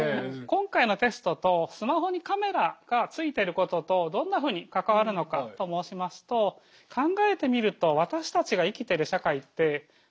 今回のテストとスマホにカメラが付いてることとどんなふうに関わるのかと申しますと考えてみるとはい。